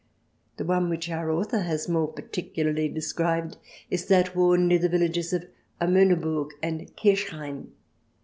The one which our author has more particularly described is that worn near the villages of Amoneburg and Kir chain.